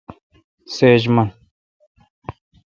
سیج من۔